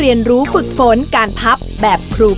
พี่ดาขายดอกบัวมาตั้งแต่อายุ๑๐กว่าขวบ